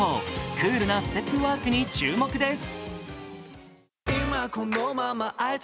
クールなステップワークに注目です。